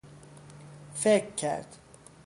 فکر کرد